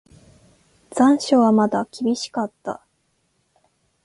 残暑はまだ厳しかった。